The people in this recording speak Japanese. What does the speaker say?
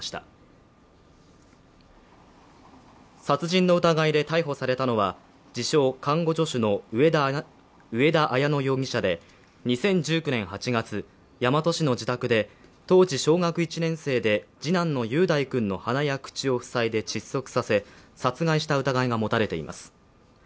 殺人の疑いで逮捕されたのは自称・看護助手の上田綾乃容疑者で２０１９年８月、大和市の自宅で当時小学１年生で次男の雄大君の鼻や口を塞いで窒息させ、殺害した疑いが持たれています。